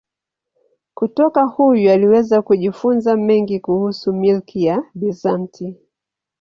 Kutoka huyu aliweza kujifunza mengi kuhusu milki ya Bizanti.